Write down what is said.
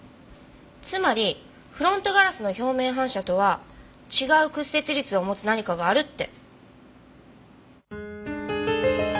つまりフロントガラスの表面反射とは違う屈折率を持つ何かがあるって。